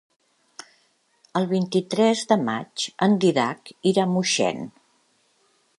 El vint-i-tres de maig en Dídac irà a Moixent.